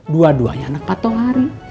dua duanya anak patuh hari